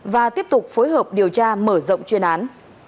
và tiếp tục phối hợp điều tra mở rộng chuyên án